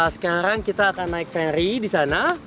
sekarang kita akan naik ferry di sana